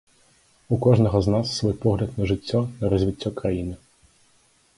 У кожнага з нас свой погляд на жыццё, на развіццё краіны.